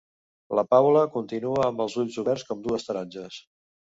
La Paula continua amb els ulls oberts com dues taronges.